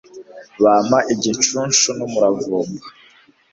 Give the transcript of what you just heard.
bampa igicuncu n' umuravumba